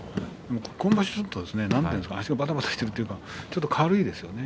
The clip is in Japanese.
今場所はちょっと足がばたばたしているというかちょっと軽いですよね。